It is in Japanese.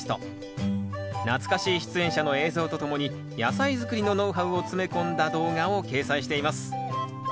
懐かしい出演者の映像とともに野菜づくりのノウハウを詰め込んだ動画を掲載しています。